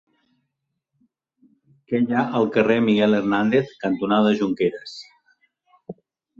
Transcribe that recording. Què hi ha al carrer Miguel Hernández cantonada Jonqueres?